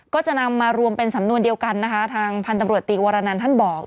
ก็จะนำมารวมเป็นสำนวนเดียวกันนะคะทางพันธุ์ตำรวจตีวรนันท่านบอก